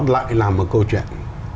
lại là một câu chuyện